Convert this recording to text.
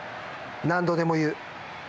何度でも言う。